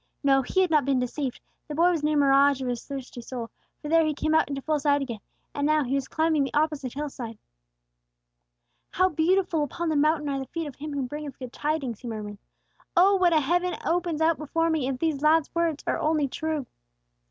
No, he had not been deceived; the boy was no mirage of his thirsty soul, for there, he came out into full sight again, and now, he was climbing the opposite hillside. "How beautiful upon the mountain are the feet of him who bringeth good tidings!" he murmured. "Oh, what a heaven opens out before me, if this lad's words are only true!"